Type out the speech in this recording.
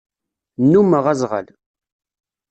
Nnumeɣ azɣal.